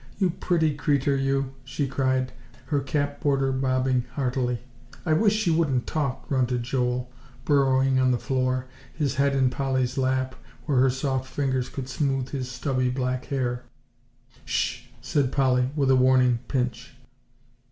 "You pretty creeter, you," she cried, her cap border bobbing heartily. "I wish she wouldn't talk," grunted Joel, burrowing on the floor, his head in Polly's lap, where her soft fingers could smooth his stubby black hair. "'Sh!" said Polly, with a warning pinch.